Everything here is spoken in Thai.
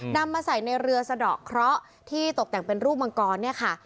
นำมาใส่ในเรือสะดอกเคราะห์ที่ตกแต่งเป็นรูปมังกรเนี่ยค่ะ